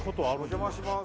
お邪魔します